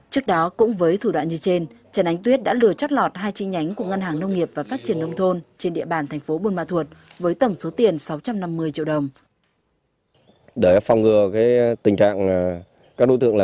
trước đó cũng với thủ đoạn như trên trần ánh tuyết đã lừa chót lọt hai chi nhánh của ngân hàng nông nghiệp và phát triển nông thôn chi nhánh nơi trang long